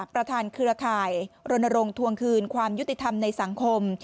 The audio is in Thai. ประธานเครือข่ายโรนโรงทวงคืนความยุติธรรมในสังคม